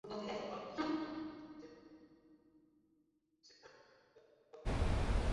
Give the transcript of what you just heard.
কারণ আমি এমন একটা জিনিস জানতে পেরেছিলাম যা লেক্সও জানত না।